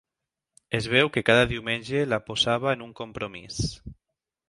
Es veu que cada diumenge la posava en un compromís.